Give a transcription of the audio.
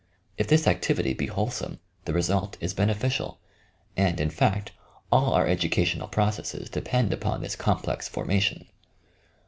If this activity be wholesome, the result is beneficial, and, in fact, all our educational processes depend upon this complex formation.